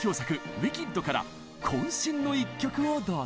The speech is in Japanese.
「ウィキッド」から渾身の一曲をどうぞ！